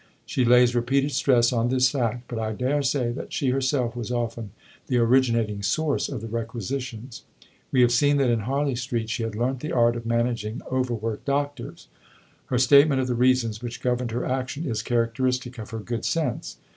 (She lays repeated stress on this fact, but I daresay that she herself was often the originating source of the requisitions. We have seen that in Harley Street she had learnt the art of managing overworked doctors.) Her statement of the reasons which governed her action is characteristic of her good sense.